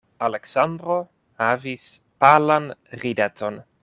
Aleksandro havis palan rideton.